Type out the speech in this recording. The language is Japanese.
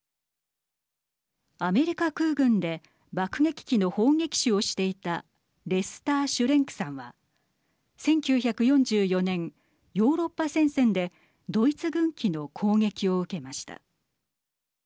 アメリカ空軍で爆撃機の砲撃手をしていたレスター・シュレンクさんは１９４４年ヨーロッパ戦線でドイツ軍機の攻撃を受けました。